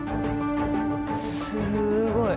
すごい。